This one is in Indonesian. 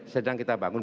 sedang kita bangun